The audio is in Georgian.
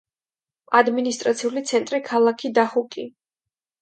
ადმინისტრაციული ცენტრი ქალაქი დაჰუკი.